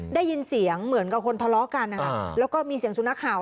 ได้ยินเสียงเหมือนกับคนทะเลาะกันนะคะแล้วก็มีเสียงสุนัขเห่า